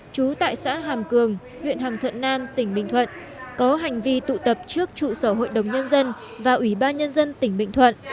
trú tại xã hàm cường huyện hàm thuận nam tỉnh bình thuận có hành vi tụ tập trước trụ sở hội đồng nhân dân và ủy ban nhân dân tỉnh bình thuận